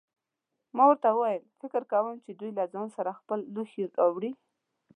ما ورته وویل: فکر کوم چې دوی له ځان سره خپل لوښي راوړي.